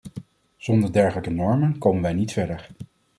Zonder dergelijke normen komen wij niet verder.